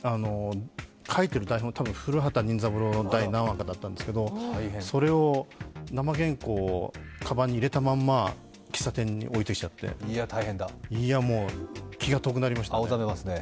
書いている台本「古畑任三郎」の第何話かだったんですけど、それを、生原稿をかばんに入れたまま喫茶店に置いてきちゃって、いや、気が遠くなりましたね。